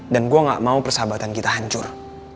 gue gak mau persahabatan kita hancur